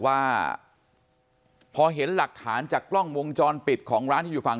ว่าพอเห็นหลักฐานจากกล้องวงจรปิดของร้านที่อยู่ฝั่ง